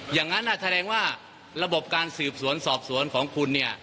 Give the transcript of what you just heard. อย่างนั้นแสดงว่าระบบการสืบสวนสอบสวนของคุณเนี่ย